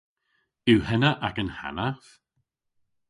Yw henna agan hanaf?